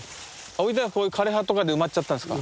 置いたらこういう枯れ葉とかで埋まっちゃったんすか？